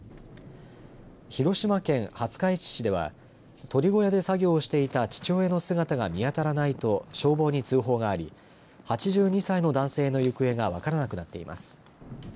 広島県廿日市市では鳥小屋で作業していた父親の姿が見当たらないと消防に通報があり８２歳の男性の行方が分からなくなっています。